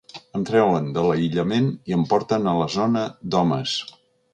Em treuen de l’aïllament i em porten a la zona d’homes.